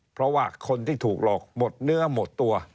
เพราะว่าคนที่ถูกหลอกหมดเนื้อหมดตัว